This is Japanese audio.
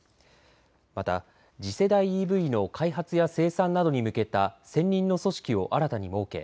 また次世代ＥＶの開発や生産などに向けた専任の組織を新たに設け